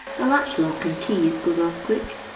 A latch lock and keys goes off quick.